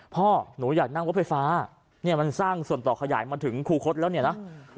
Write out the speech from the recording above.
พ่อหนูอยากนั่งรถไฟฟ้าเนี่ยมันสร้างส่วนต่อขยายมาถึงครูคดแล้วเนี่ยนะ